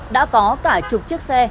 đã có cả chục chiếc xe